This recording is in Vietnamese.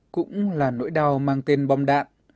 cũng là nỗi đau mang tên bom đạn